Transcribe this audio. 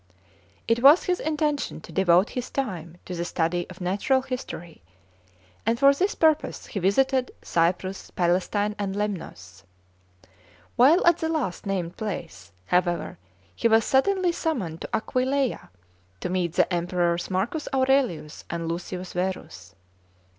It was his intention to devote his time to the study of natural history, and for this purpose he visited Cyprus, Palestine, and Lemnos. While at the last named place, however, he was suddenly summoned to Aquileia to meet the Emperors Marcus Aurelius and Lucius Verus.